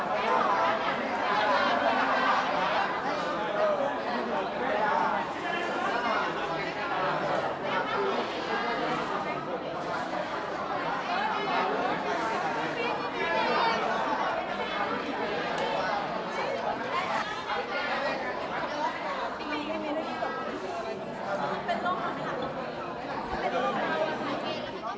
โปรดติดตามตอนต่อไป